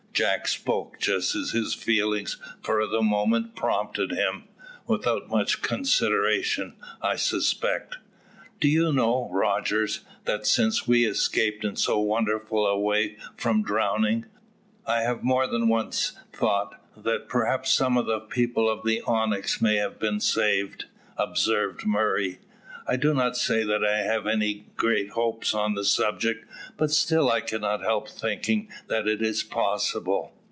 Jack spoke just as his feelings for the moment prompted him, without much consideration, I suspect. "Do you know, Rogers, that since we escaped in so wonderful a way from drowning, I have more than once thought that perhaps some of the people of the Onyx may have been saved," observed Murray. "I do not say that I have any great hopes on the subject, but still I cannot help thinking that it is possible."